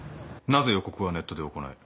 なぜ予告はネットで行い